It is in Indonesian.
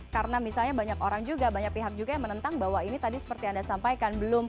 karena misalnya banyak orang juga banyak pihak juga yang menentang bahwa ini tadi seperti yang anda sampaikan